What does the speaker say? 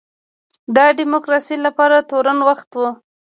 دا د ډیموکراسۍ لپاره تور وخت و.